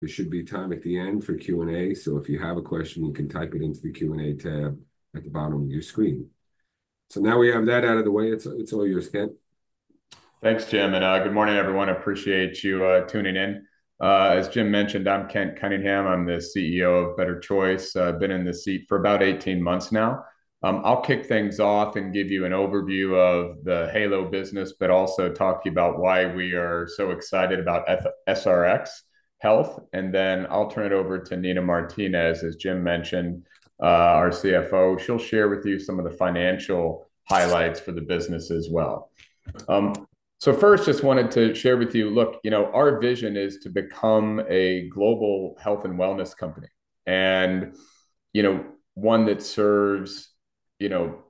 There should be time at the end for Q&A, so if you have a question, you can type it into the Q&A tab at the bottom of your screen. So now we have that out of the way. It's all yours, Kent. Thanks, Jim. Good morning, everyone. I appreciate you tuning in. As Jim mentioned, I'm Kent Cunningham. I'm the CEO of Better Choice Company. I've been in this seat for about 18 months now. I'll kick things off and give you an overview of the Halo business, but also talk to you about why we are so excited about SRx Health. Then I'll turn it over to Nina Martinez, as Jim mentioned, our CFO. She'll share with you some of the financial highlights for the business as well. First, just wanted to share with you, look, our vision is to become a global health and wellness company and one that serves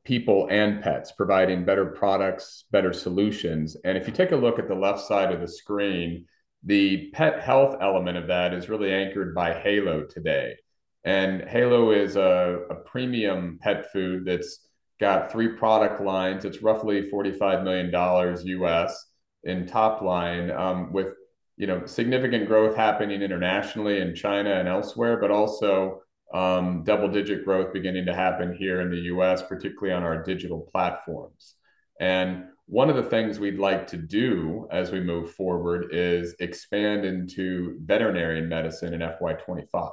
people and pets, providing better products, better solutions. If you take a look at the left side of the screen, the pet health element of that is really anchored by Halo today. Halo is a premium pet food that's got three product lines. It's roughly $45 million in top line, with significant growth happening internationally in China and elsewhere, but also double-digit growth beginning to happen here in the US, particularly on our digital platforms. One of the things we'd like to do as we move forward is expand into veterinary medicine in FY25.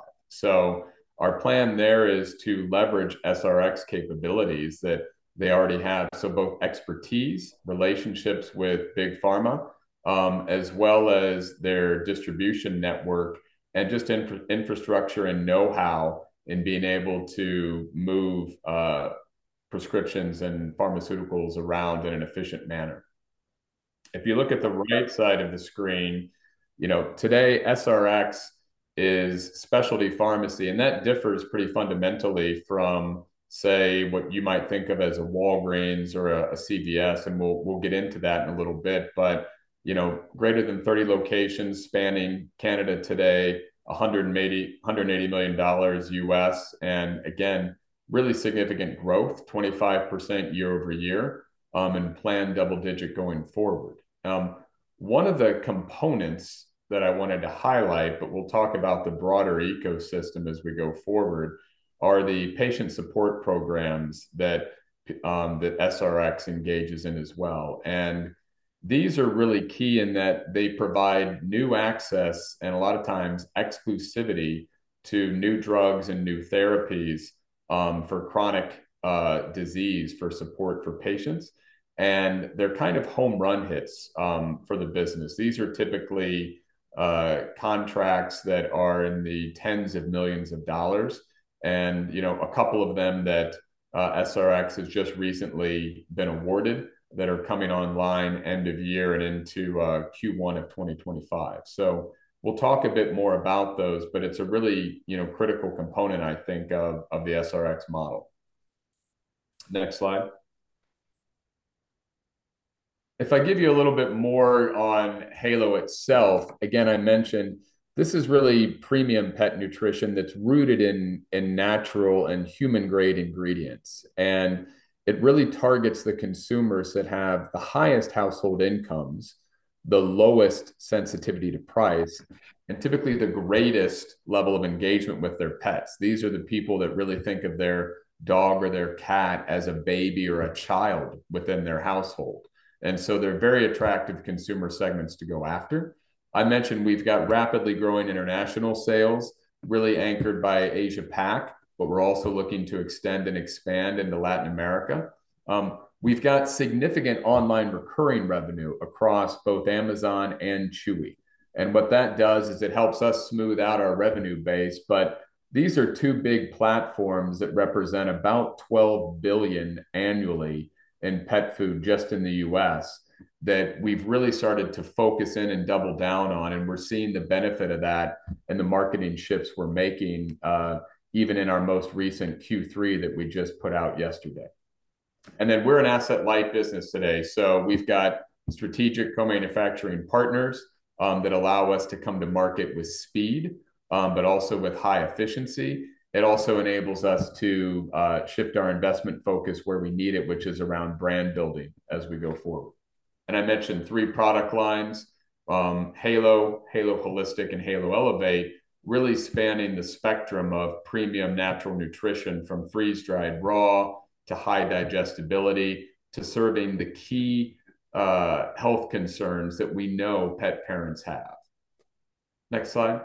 Our plan there is to leverage SRx capabilities that they already have, so both expertise, relationships with Big Pharma, as well as their distribution network, and just infrastructure and know-how in being able to move prescriptions and pharmaceuticals around in an efficient manner. If you look at the right side of the screen, today, SRx is specialty pharmacy. And that differs pretty fundamentally from, say, what you might think of as a Walgreens or a CVS, and we'll get into that in a little bit, but greater than 30 locations spanning Canada today, $180 million, and again, really significant growth, 25% year over year, and planned double-digit going forward. One of the components that I wanted to highlight, but we'll talk about the broader ecosystem as we go forward, are the patient support programs that SRx engages in as well. And these are really key in that they provide new access and a lot of times exclusivity to new drugs and new therapies for chronic disease for support for patients. And they're kind of home run hits for the business. These are typically contracts that are in the tens of millions of dollars. And a couple of them that SRx has just recently been awarded that are coming online end of year and into Q1 of 2025. So we'll talk a bit more about those, but it's a really critical component, I think, of the SRx model. Next slide. If I give you a little bit more on Halo itself, again, I mentioned this is really premium pet nutrition that's rooted in natural and human-grade ingredients. And it really targets the consumers that have the highest household incomes, the lowest sensitivity to price, and typically the greatest level of engagement with their pets. These are the people that really think of their dog or their cat as a baby or a child within their household. And so they're very attractive consumer segments to go after. I mentioned we've got rapidly growing international sales, really anchored by Asia-Pac, but we're also looking to extend and expand into Latin America. We've got significant online recurring revenue across both Amazon and Chewy. And what that does is it helps us smooth out our revenue base. But these are two big platforms that represent about $12 billion annually in pet food just in the U.S. that we've really started to focus in and double down on. And we're seeing the benefit of that and the marketing shifts we're making even in our most recent Q3 that we just put out yesterday. And then we're an asset-light business today. So we've got strategic co-manufacturing partners that allow us to come to market with speed, but also with high efficiency. It also enables us to shift our investment focus where we need it, which is around brand building as we go forward, and I mentioned three product lines: Halo, Halo Holistic, and Halo Elevate, really spanning the spectrum of premium natural nutrition from freeze-dried raw to high digestibility to serving the key health concerns that we know pet parents have. Next slide.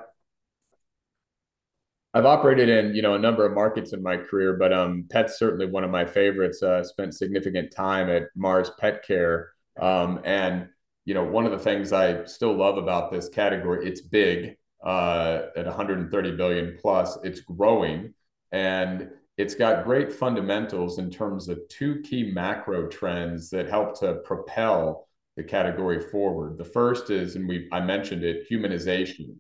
I've operated in a number of markets in my career, but pets are certainly one of my favorites. I spent significant time at Mars Petcare, and one of the things I still love about this category, it's big at $130 billion plus. It's growing, and it's got great fundamentals in terms of two key macro trends that help to propel the category forward. The first is, and I mentioned it, humanization,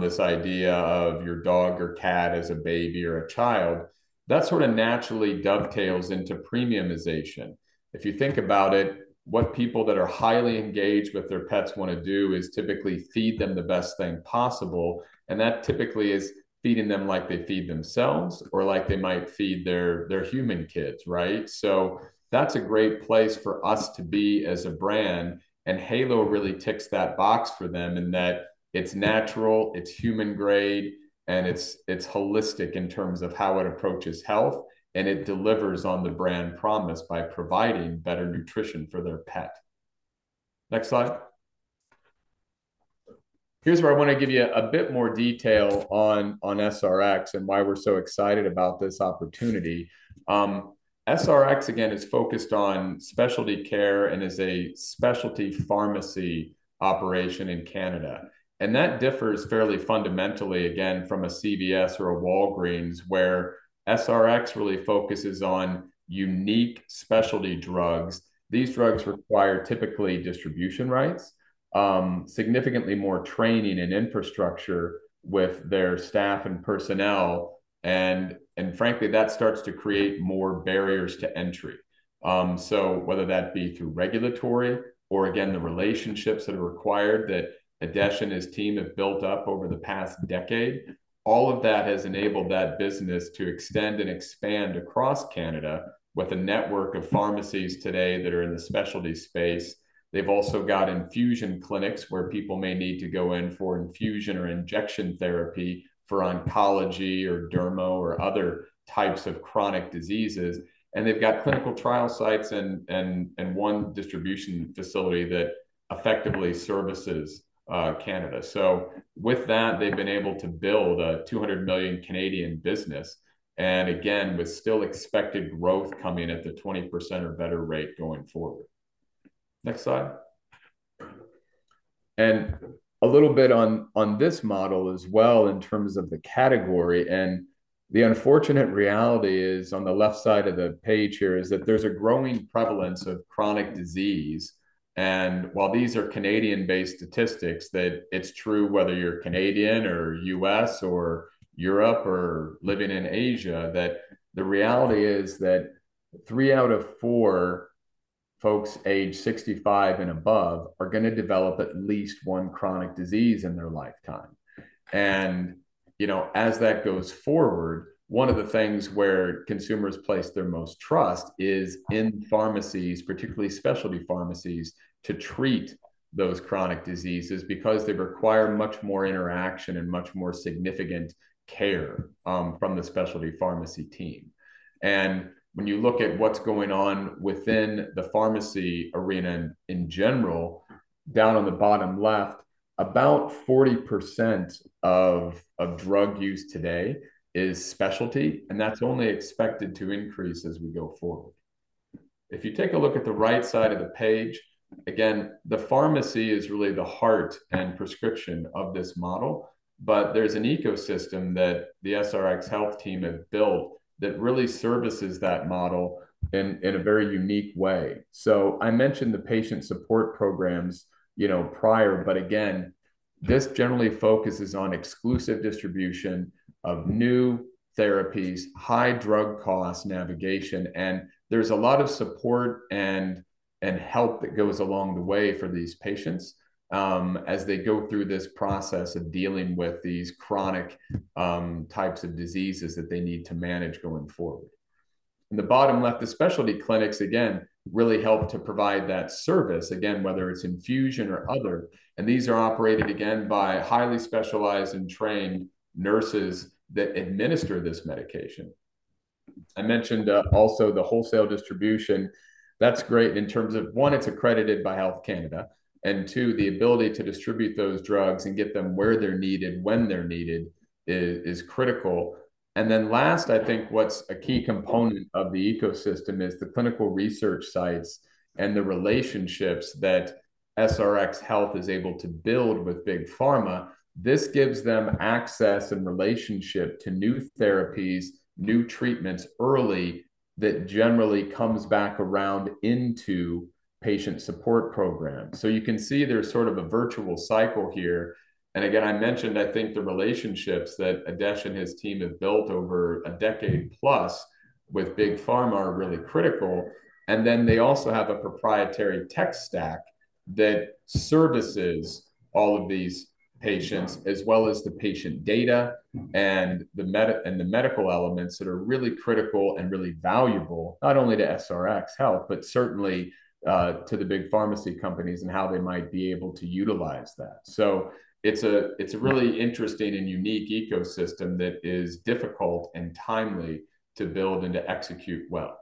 this idea of your dog or cat as a baby or a child. That sort of naturally dovetails into premiumization. If you think about it, what people that are highly engaged with their pets want to do is typically feed them the best thing possible, and that typically is feeding them like they feed themselves or like they might feed their human kids, right, so that's a great place for us to be as a brand, and Halo really ticks that box for them in that it's natural, it's human-grade, and it's holistic in terms of how it approaches health, and it delivers on the brand promise by providing better nutrition for their pet. Next slide. Here's where I want to give you a bit more detail on SRx and why we're so excited about this opportunity. SRx, again, is focused on specialty care and is a specialty pharmacy operation in Canada. And that differs fairly fundamentally, again, from a CVS or a Walgreens, where SRx really focuses on unique specialty drugs. These drugs require typically distribution rights, significantly more training and infrastructure with their staff and personnel. And frankly, that starts to create more barriers to entry. So whether that be through regulatory or, again, the relationships that are required that Adesh and his team have built up over the past decade, all of that has enabled that business to extend and expand across Canada with a network of pharmacies today that are in the specialty space. They've also got infusion clinics where people may need to go in for infusion or injection therapy for oncology or derma or other types of chronic diseases. And they've got clinical trial sites and one distribution facility that effectively services Canada. So with that, they've been able to build a 200 million business and, again, with still expected growth coming at the 20% or better rate going forward. Next slide. And a little bit on this model as well in terms of the category. And the unfortunate reality is on the left side of the page here is that there's a growing prevalence of chronic disease. And while these are Canadian-based statistics, that it's true whether you're Canadian or U.S. or Europe or living in Asia, that the reality is that three out of four folks aged 65 and above are going to develop at least one chronic disease in their lifetime. As that goes forward, one of the things where consumers place their most trust is in pharmacies, particularly specialty pharmacies, to treat those chronic diseases because they require much more interaction and much more significant care from the specialty pharmacy team. When you look at what's going on within the pharmacy arena in general, down on the bottom left, about 40% of drug use today is specialty, and that's only expected to increase as we go forward. If you take a look at the right side of the page, again, the pharmacy is really the heart and prescription of this model, but there's an ecosystem that the SRx Health team have built that really services that model in a very unique way. So I mentioned the patient support programs prior, but again, this generally focuses on exclusive distribution of new therapies, high drug cost navigation, and there's a lot of support and help that goes along the way for these patients as they go through this process of dealing with these chronic types of diseases that they need to manage going forward. In the bottom left, the specialty clinics, again, really help to provide that service, again, whether it's infusion or other. And these are operated, again, by highly specialized and trained nurses that administer this medication. I mentioned also the wholesale distribution. That's great in terms of, one, it's accredited by Health Canada, and two, the ability to distribute those drugs and get them where they're needed, when they're needed, is critical. And then last, I think what's a key component of the ecosystem is the clinical research sites and the relationships that SRx Health is able to build with Big Pharma. This gives them access and relationship to new therapies, new treatments early that generally comes back around into patient support programs. So you can see there's sort of a virtual cycle here. And again, I mentioned, I think the relationships that Adesh and his team have built over a decade plus with Big Pharma are really critical. And then they also have a proprietary tech stack that services all of these patients, as well as the patient data and the medical elements that are really critical and really valuable, not only to SRx Health, but certainly to the big pharmacy companies and how they might be able to utilize that. It's a really interesting and unique ecosystem that is difficult and timely to build and to execute well.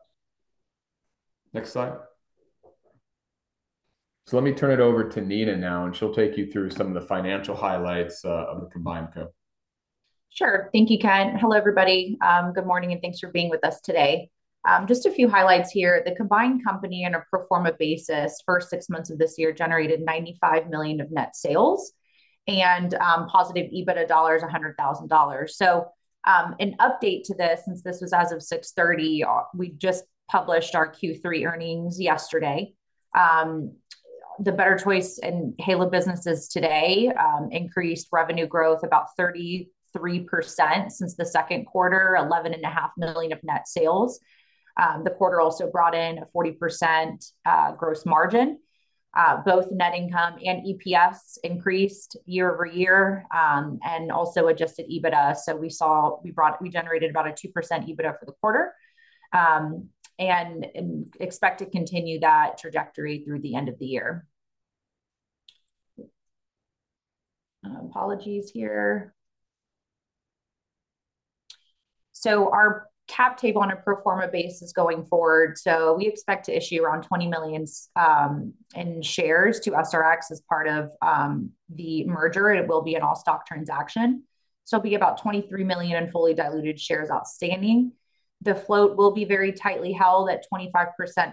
Next slide. So let me turn it over to Nina now, and she'll take you through some of the financial highlights of the combined company. Sure. Thank you, Kent. Hello, everybody. Good morning, and thanks for being with us today. Just a few highlights here. The combined company on a pro forma basis for six months of this year generated $95 million of net sales and positive EBITDA of $100,000. An update to this, since this was as of 6/30, we just published our Q3 earnings yesterday. The Better Choice and Halo businesses today increased revenue growth about 33% since the second quarter, $11.5 million of net sales. The quarter also brought in a 40% gross margin. Both net income and EPS increased year over year and also adjusted EBITDA. We generated about a 2% EBITDA for the quarter and expect to continue that trajectory through the end of the year. Apologies here. Our cap table on a pro forma basis going forward, so we expect to issue around $20 million in shares to SRx as part of the merger. It will be an all-stock transaction. It'll be about $23 million in fully diluted shares outstanding. The float will be very tightly held at 25%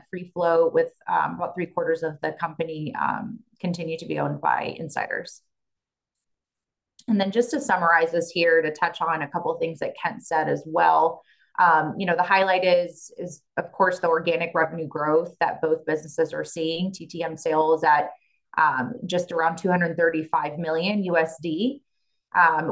free float with about three-quarters of the company continuing to be owned by insiders. Then just to summarize this here, to touch on a couple of things that Kent said as well, the highlight is, of course, the organic revenue growth that both businesses are seeing. TTM sales at just around $235 million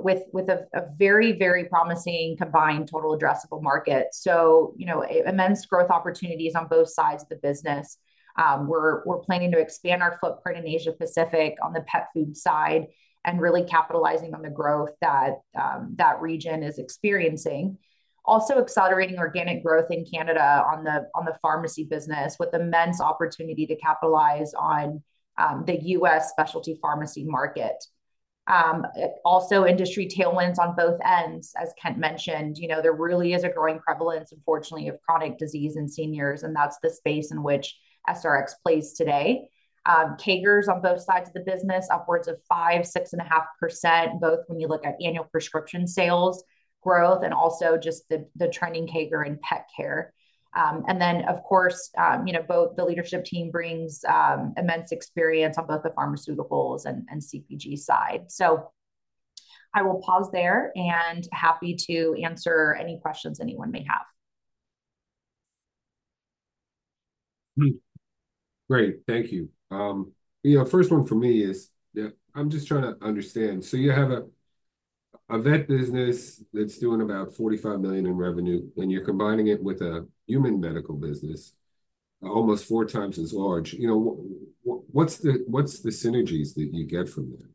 with a very, very promising combined total addressable market. So immense growth opportunities on both sides of the business. We're planning to expand our footprint in Asia-Pacific on the pet food side and really capitalizing on the growth that region is experiencing. Also accelerating organic growth in Canada on the pharmacy business with immense opportunity to capitalize on the US specialty pharmacy market. Also industry tailwinds on both ends. As Kent mentioned, there really is a growing prevalence, unfortunately, of chronic disease in seniors, and that's the space in which SRx plays today. CAGRs on both sides of the business, upwards of 5%-6.5%, both when you look at annual prescription sales growth and also just the trending CAGR in pet care. And then, of course, the leadership team brings immense experience on both the pharmaceuticals and CPG side. So I will pause there and happy to answer any questions anyone may have. Great. Thank you. The first one for me is, I'm just trying to understand. So you have a vet business that's doing about $45 million in revenue, and you're combining it with a human medical business almost four times as large. What's the synergies that you get from that?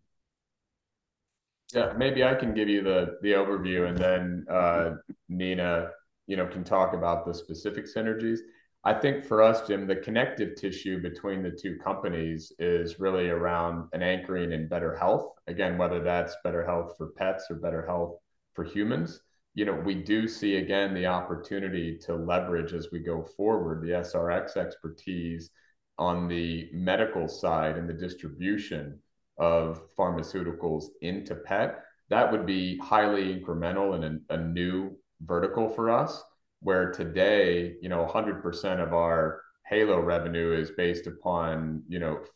Yeah. Maybe I can give you the overview, and then Nina can talk about the specific synergies. I think for us, Jim, the connective tissue between the two companies is really around an anchoring in better health. Again, whether that's better health for pets or better health for humans, we do see, again, the opportunity to leverage as we go forward the SRx expertise on the medical side and the distribution of pharmaceuticals into pet. That would be highly incremental and a new vertical for us, where today 100% of our Halo revenue is based upon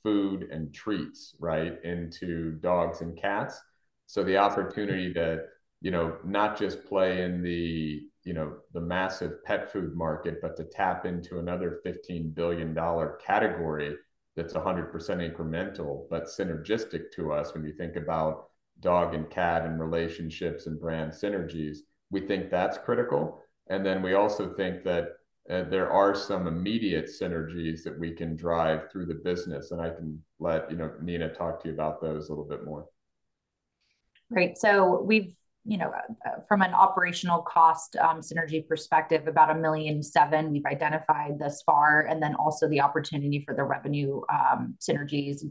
food and treats, right, into dogs and cats. So the opportunity to not just play in the massive pet food market, but to tap into another $15 billion category that's 100% incremental, but synergistic to us when you think about dog and cat and relationships and brand synergies, we think that's critical. And then we also think that there are some immediate synergies that we can drive through the business. And I can let Nina talk to you about those a little bit more. Right. So from an operational cost synergy perspective, about $1.7 million we've identified thus far, and then also the opportunity for the revenue synergies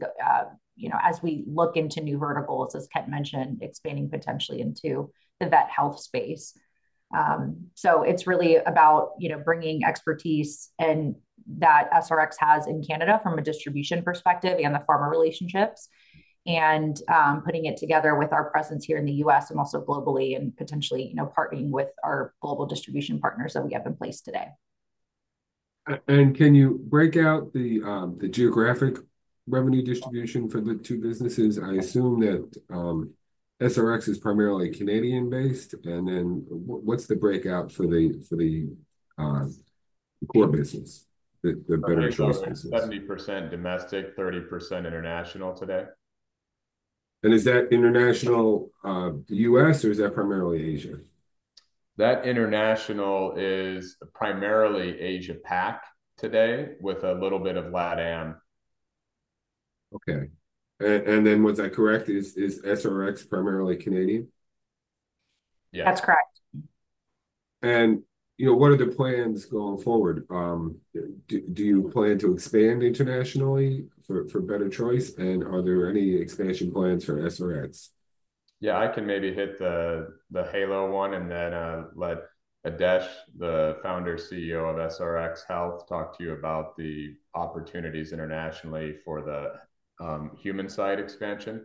as we look into new verticals, as Kent mentioned, expanding potentially into the vet health space. It's really about bringing expertise that SRx has in Canada from a distribution perspective and the pharma relationships and putting it together with our presence here in the U.S. and also globally and potentially partnering with our global distribution partners that we have in place today. And can you break out the geographic revenue distribution for the two businesses? I assume that SRx is primarily Canadian-based. And then what's the breakout for the core business, the Better Choice business? 70% domestic, 30% international today. And is that international U.S., or is that primarily Asia? That international is primarily Asia-Pac today with a little bit of LATAM. Okay. And then was I correct? Is SRx primarily Canadian? Yes. That's correct. And what are the plans going forward? Do you plan to expand internationally for Better Choice? And are there any expansion plans for SRx?. Yeah. I can maybe hit the Halo one and then let Adesh, the founder CEO of SRx Health, talk to you about the opportunities internationally for the human side expansion.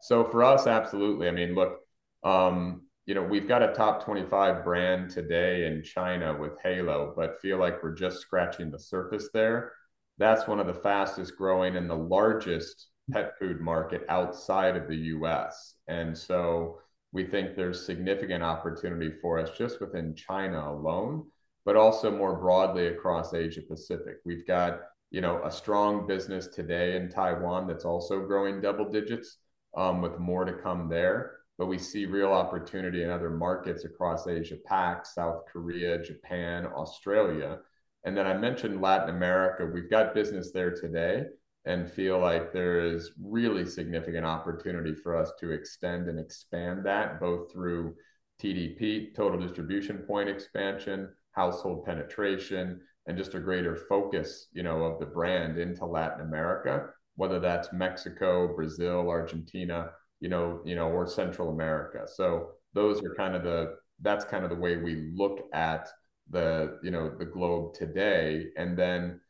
So for us, absolutely. I mean, look, we've got a top 25 brand today in China with Halo, but feel like we're just scratching the surface there. That's one of the fastest growing and the largest pet food market outside of the U.S. And so we think there's significant opportunity for us just within China alone, but also more broadly across Asia-Pacific. We've got a strong business today in Taiwan that's also growing double digits with more to come there. But we see real opportunity in other markets across Asia-Pac, South Korea, Japan, Australia. And then I mentioned Latin America. We've got business there today and feel like there is really significant opportunity for us to extend and expand that both through TDP, total distribution point expansion, household penetration, and just a greater focus of the brand into Latin America, whether that's Mexico, Brazil, Argentina, or Central America. So those are kind of the way we look at the globe today. And then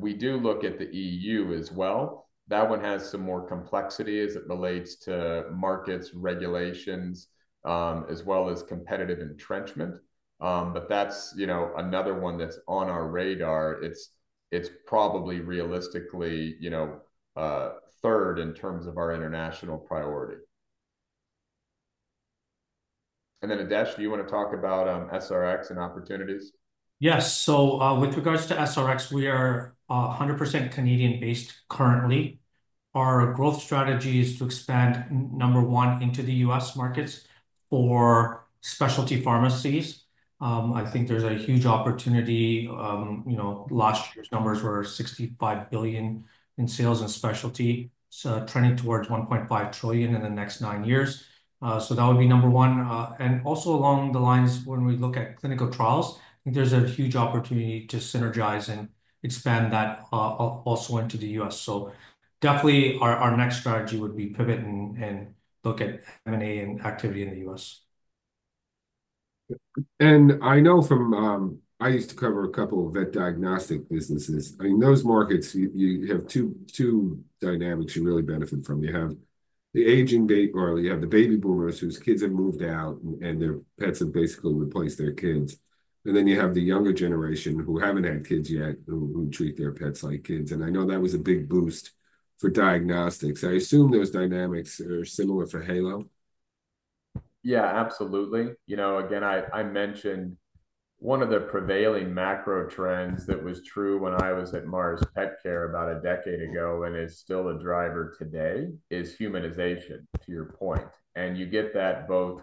we do look at the EU as well. That one has some more complexity as it relates to markets, regulations, as well as competitive entrenchment. But that's another one that's on our radar. It's probably realistically third in terms of our international priority. And then Adesh, do you want to talk about SRx and opportunities? Yes. So with regards to SRx, we are 100% Canadian-based currently. Our growth strategy is to expand, number one, into the U.S. markets for specialty pharmacies. I think there's a huge opportunity. Last year's numbers were $65 billion in sales in specialty, trending towards $1.5 trillion in the next nine years. So that would be number one. And also along the lines, when we look at clinical trials, I think there's a huge opportunity to synergize and expand that also into the U.S. So definitely our next strategy would be pivot and look at M&A and activity in the U.S. And I know from I used to cover a couple of vet diagnostic businesses. I mean, those markets, you have two dynamics you really benefit from. You have the aging or you have the baby boomers whose kids have moved out and their pets have basically replaced their kids. And then you have the younger generation who haven't had kids yet who treat their pets like kids. I know that was a big boost for diagnostics. I assume those dynamics are similar for Halo. Yeah, absolutely. Again, I mentioned one of the prevailing macro trends that was true when I was at Mars Petcare about a decade ago and is still a driver today is humanization, to your point. And you get that both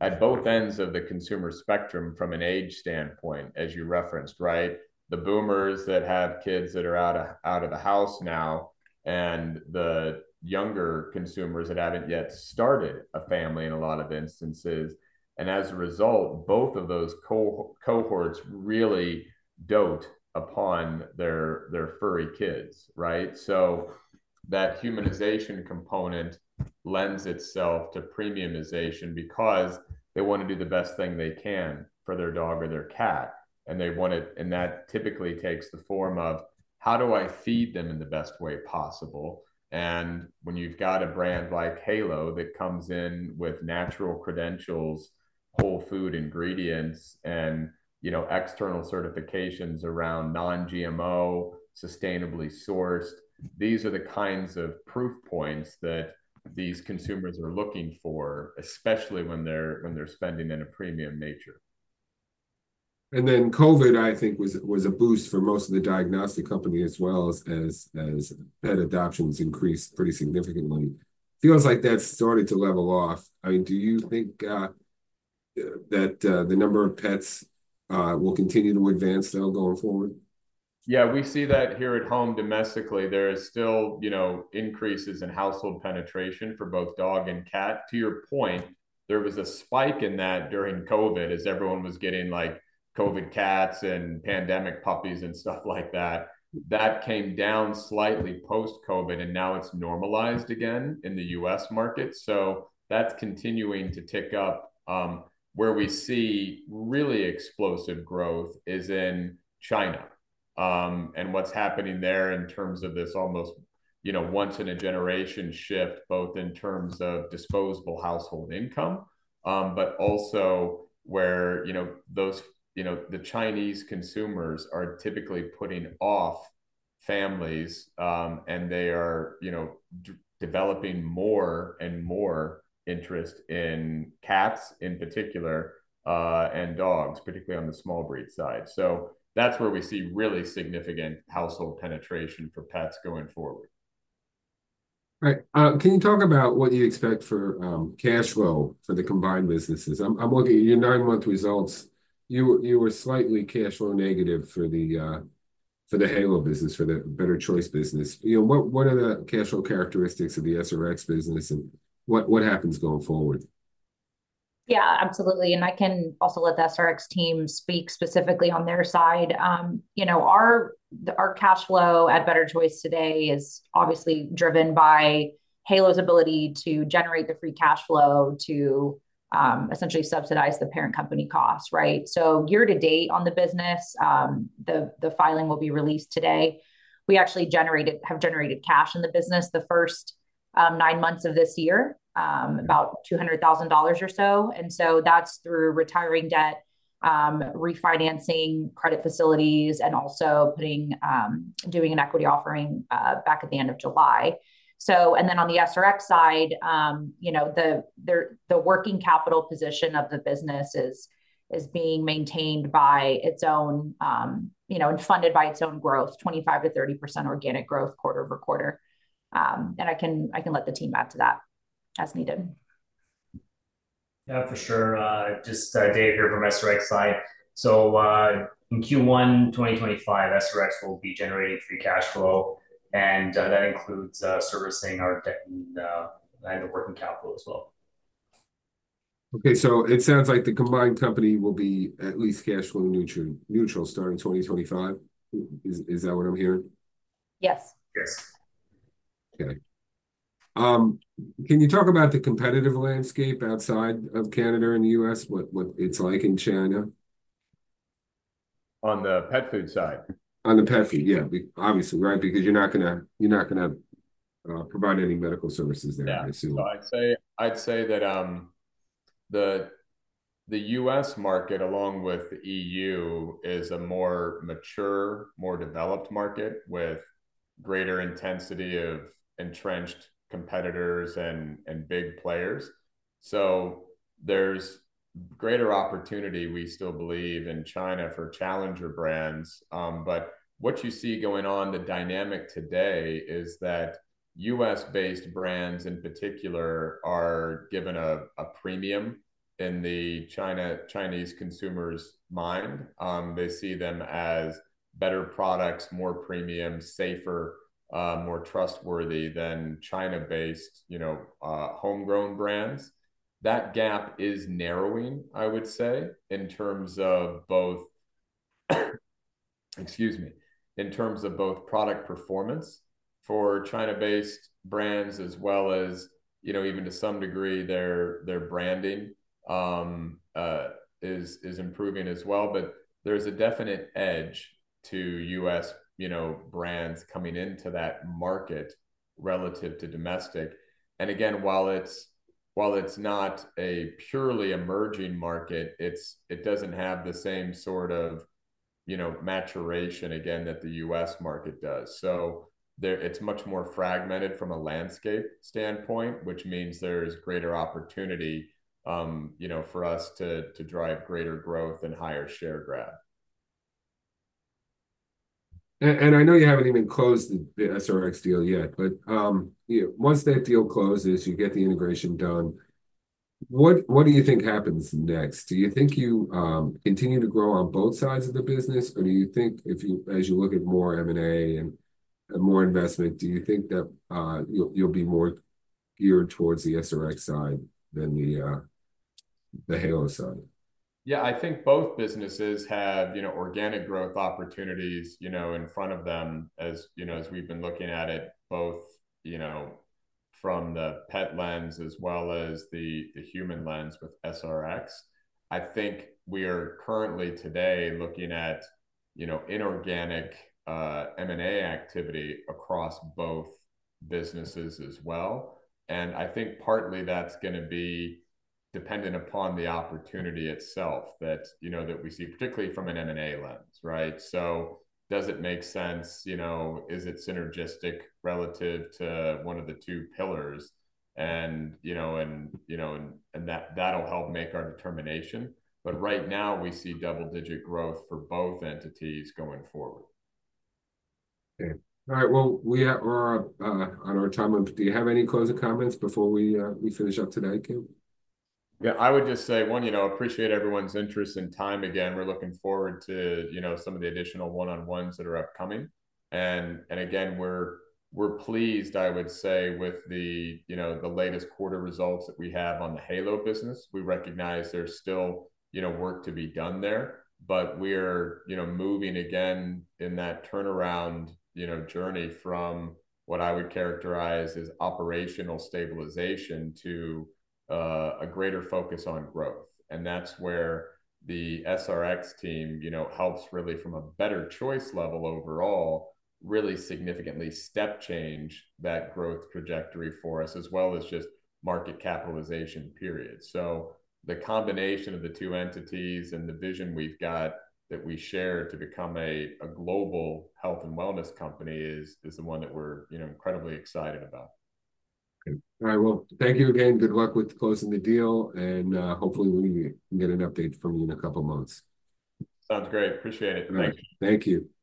at both ends of the consumer spectrum from an age standpoint, as you referenced, right? The boomers that have kids that are out of the house now and the younger consumers that haven't yet started a family in a lot of instances. And as a result, both of those cohorts really dote upon their furry kids, right? So that humanization component lends itself to premiumization because they want to do the best thing they can for their dog or their cat. And that typically takes the form of, how do I feed them in the best way possible? And when you've got a brand like Halo that comes in with natural credentials, whole food ingredients, and external certifications around non-GMO, sustainably sourced, these are the kinds of proof points that these consumers are looking for, especially when they're spending in a premium nature. And then COVID, I think, was a boost for most of the diagnostic companies as well as pet adoptions increased pretty significantly. Feels like that started to level off. I mean, do you think that the number of pets will continue to advance though going forward? Yeah. We see that here at home domestically. There are still increases in household penetration for both dog and cat. To your point, there was a spike in that during COVID as everyone was getting COVID cats and pandemic puppies and stuff like that. That came down slightly post-COVID, and now it's normalized again in the US market. So that's continuing to tick up. Where we see really explosive growth is in China. And what's happening there in terms of this almost once-in-a-generation shift, both in terms of disposable household income, but also where the Chinese consumers are typically putting off families, and they are developing more and more interest in cats in particular and dogs, particularly on the small breed side. So that's where we see really significant household penetration for pets going forward. Right. Can you talk about what you expect for cash flow for the combined businesses? I'm looking at your nine-month results. You were slightly cash flow negative for the Halo business, for the Better Choice business. What are the cash flow characteristics of the SRx business, and what happens going forward? Yeah, absolutely, and I can also let the SRx team speak specifically on their side. Our cash flow at Better Choice today is obviously driven by Halo's ability to generate the free cash flow to essentially subsidize the parent company costs, right, so year-to-date on the business, the filing will be released today. We actually have generated cash in the business the first nine months of this year, about $200,000 or so, and so that's through retiring debt, refinancing credit facilities, and also doing an equity offering back at the end of July. And then on the SRx side, the working capital position of the business is being maintained by its own and funded by its own growth, 25%-30% organic growth quarter over quarter. And I can let the team add to that as needed. Yeah, for sure. Just David here from SRx side. So in Q1 2025, SRx will be generating free cash flow. And that includes servicing our debt and the working capital as well. Okay. So it sounds like the combined company will be at least cash flow neutral starting 2025. Is that what I'm hearing? Yes. Yes. Okay. Can you talk about the competitive landscape outside of Canada and the U.S., what it's like in China? On the pet food side? On the pet food, yeah. Obviously, right? Because you're not going to provide any medical services there, I assume. Yeah. So I'd say that the U.S. market, along with the EU, is a more mature, more developed market with greater intensity of entrenched competitors and big players. So there's greater opportunity, we still believe, in China for challenger brands. But what you see going on, the dynamic today is that U.S.-based brands in particular are given a premium in the Chinese consumer's mind. They see them as better products, more premium, safer, more trustworthy than China-based homegrown brands. That gap is narrowing, I would say, in terms of both, excuse me, in terms of both product performance for China-based brands, as well as even to some degree, their branding is improving as well. But there's a definite edge to U.S. brands coming into that market relative to domestic. And again, while it's not a purely emerging market, it doesn't have the same sort of maturation, again, that the U.S. market does. So it's much more fragmented from a landscape standpoint, which means there is greater opportunity for us to drive greater growth and higher share grab. And I know you haven't even closed the SRx deal yet, but once that deal closes, you get the integration done, what do you think happens next? Do you think you continue to grow on both sides of the business, or do you think, as you look at more M&A and more investment, do you think that you'll be more geared towards the SRx side than the Halo side? Yeah. I think both businesses have organic growth opportunities in front of them as we've been looking at it both from the pet lens as well as the human lens with SRx. I think we are currently today looking at inorganic M&A activity across both businesses as well. And I think partly that's going to be dependent upon the opportunity itself that we see, particularly from an M&A lens, right? So does it make sense? Is it synergistic relative to one of the two pillars? And that'll help make our determination. But right now, we see double-digit growth for both entities going forward. Okay. All right. Well, we are at our time up. Do you have any closing comments before we finish up today, Kent? Yeah. I would just say, one, appreciate everyone's interest and time again. We're looking forward to some of the additional one-on-ones that are upcoming. And again, we're pleased, I would say, with the latest quarter results that we have on the Halo business. We recognize there's still work to be done there, but we're moving again in that turnaround journey from what I would characterize as operational stabilization to a greater focus on growth. And that's where the SRx team helps really from a Better Choice level overall, really significantly step change that growth trajectory for us, as well as just market capitalization period. So the combination of the two entities and the vision we've got that we share to become a global health and wellness company is the one that we're incredibly excited about. Okay. All right. Well, thank you again. Good luck with closing the deal. And hopefully, we get an update from you in a couple of months. Sounds great. Appreciate it. Thank you. Thank you.